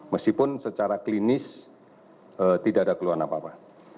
meskipun secara klinis tidak ada keluhan apa apa